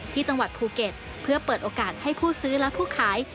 ที่จังหวัดภูเก็ตเพื่อเปิดโอกาสให้ผู้ซื้อและผู้ขาย